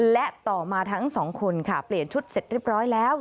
และต่อมาทั้งสองคนค่ะเปลี่ยนชุดเสร็จเรียบร้อยแล้ว